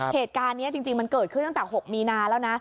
เหตุการณ์นี้จริงมันเกิดขึ้นตั้งแต่๖มีนาแล้วนะ